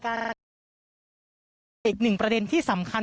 เป็นประเด็นที่สำคัญ